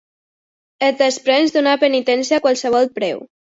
Et desprens d'una pertinença a qualsevol preu.